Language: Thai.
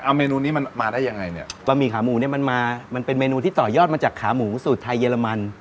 เมนูนี้มันมาได้ยังไงเนี่ยบะหมี่ขาหมูเนี้ยมันมามันเป็นเมนูที่ต่อยอดมาจากขาหมูสูตรไทยเยอรมัน